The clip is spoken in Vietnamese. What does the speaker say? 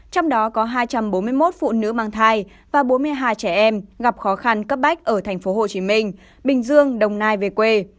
trong đó có hai trăm bốn mươi một phụ nữ mang thai và bốn mươi hai trẻ em gặp khó khăn cấp bách ở thành phố hồ chí minh bình dương đồng nai về quê